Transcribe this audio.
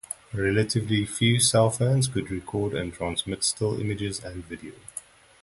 Relatively few cell phones could record and transmit still images and video.